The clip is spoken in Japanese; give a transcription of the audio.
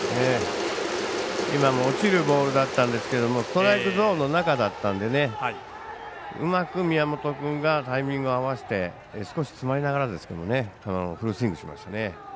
今も落ちるボールだったんですがストライクゾーンの中だったのでうまく宮本君がタイミング合わせて少し詰まりながらフルスイングしましたね。